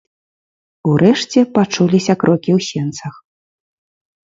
Урэшце пачуліся крокі ў сенцах.